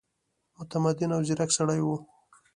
متمدن او ځیرک سړی وو.